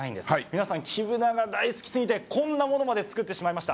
皆さん黄ぶなが大好きすぎてこんなものまで作ってしまいました。